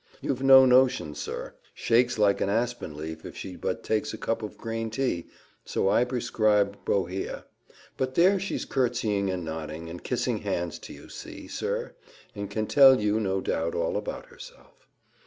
you've no notion, sir! shakes like an aspen leaf, if she but takes a cup of green tea so I prescribe bohea. But there she's curtsying, and nodding, and kissing hands to you, sir, see! and can tell you, no doubt, all about herself."